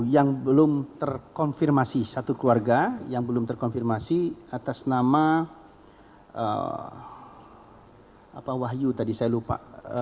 yang belum terkonfirmasi satu keluarga yang belum terkonfirmasi atas nama wahyu tadi saya lupa